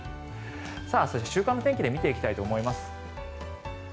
そして、週間の天気で見ていきたいと思います。